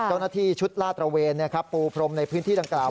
เจ้าหน้าที่ชุดลาดตระเวนปูพรมในพื้นที่ดังกล่าว